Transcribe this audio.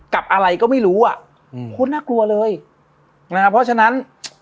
กับอะไรก็ไม่รู้อ่ะอืมคุณน่ากลัวเลยนะฮะเพราะฉะนั้น